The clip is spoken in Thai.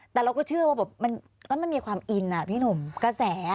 แต่เราก็เชื่อว่ามันมีความอินพี่หนุ่มกระแส